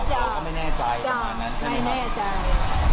ป้าก็ไม่แน่ใจประมาณนั้นใช่ไหมไม่แน่ใจ